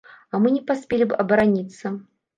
А мы не паспелі б абараніцца.